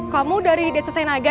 kamu dari date selesainya aja